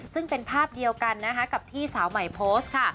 ซึ่งเป็นภาพเดียวกันนะคะกับที่สาวใหม่โพสต์ค่ะ